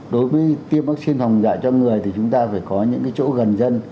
đối với tiêm vaccine phòng dạy cho người thì chúng ta phải có những chỗ gần dân